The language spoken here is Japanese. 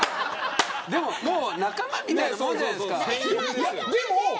もう仲間みたいなもんじゃないですか。